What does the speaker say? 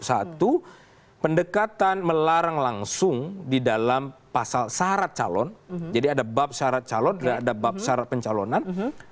satu pendekatan melarang langsung di dalam pasal syarat calon jadi ada bab syarat calon ada bab syarat pencalonan